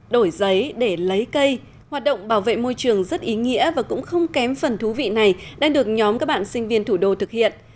đổi giấy để lấy cây hoạt động bảo vệ môi trường rất ý nghĩa và cũng không kém phần thú vị này đang được nhóm các bạn sinh viên thủ đô thực hiện